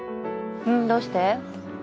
どうして？